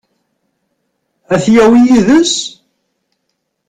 Ad t-yawi yid-s?